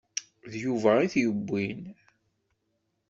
D Yuba i t-yewwin.